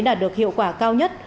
đạt được hiệu quả cao nhất